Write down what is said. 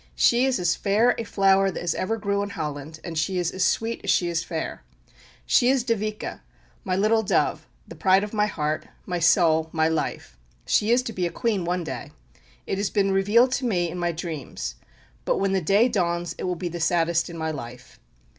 She is as fair a flower as ever grew in Holland; and she is as sweet as she is fair. She is Dyveke, my "little dove," the pride of my heart, my soul, my life. She is to be a Queen one day. It has been revealed to me in my dreams. But when the day dawns it will be the saddest in my life."